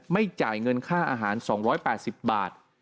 จ่ายเงินค่าอาหาร๒๘๐บาท